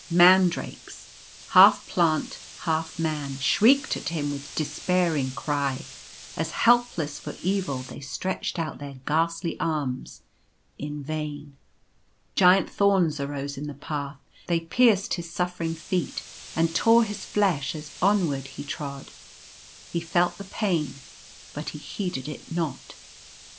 Mandrakes — half plant, half man — shrieked at him with despairing cry, as, helpless for evil, they stretched out their ghastly arms in vain. Giant thorns arose in the path; they pierced his suffering feet and tore his flesh as onward he trod. He felt the pain, but he heeded it not.